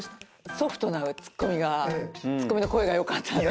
ソフトなツッコミがツッコミの声がよかったんで。